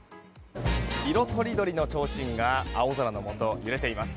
色とりどりのちょうちんが青空のもと、揺れています。